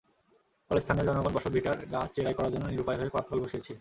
ফলে স্থানীয় জনগণের বসতভিটার গাছ চেরাই করার জন্য নিরুপায় হয়ে করাতকল বসিয়েছি।